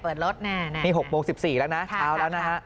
เปิดรถนี่นี่๖โมง๑๔แล้วนะเอาแล้วนะ